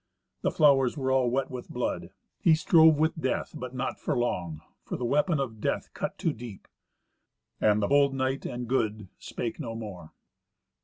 The flowers were all wet with blood. He strove with death, but not for long, for the weapon of death cut too deep. And the bold knight and good spake no more.